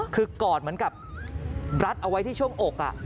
คือกอดเหมือนกับรัดเอาไว้ที่ช่วงอก